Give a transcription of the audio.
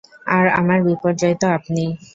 আর আমার বিপর্যয় তো আপনি।